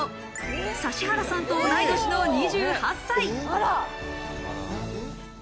指原さんと同い年の２８歳。